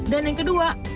dan yang kedua